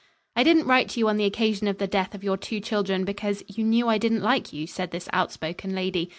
"I didn't write to you on the occasion of the death of your two children because you knew I didn't like you," said this outspoken lady.